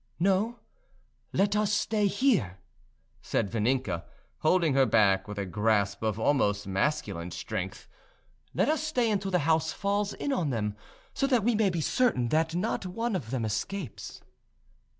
"No, let us stay here!" said Vaninka, holding her back with a grasp of almost masculine strength. "Let us stay until the house falls in on them, so that we may be certain that not one of them escapes."